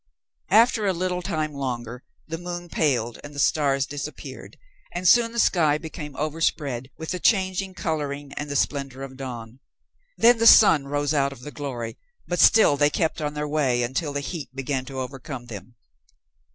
After a little time longer the moon paled and the stars disappeared, and soon the sky became overspread with the changing coloring and the splendor of dawn. Then the sun rose out of the glory, but still they kept on their way until the heat began to overcome them.